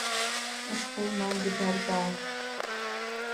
اسڪول مانجي گھر پار